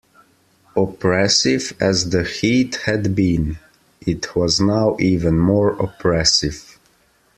Oppressive as the heat had been, it was now even more oppressive.